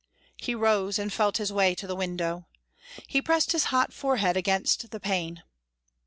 He rose and felt his way to the window. He pressed his hot forehead against the pane.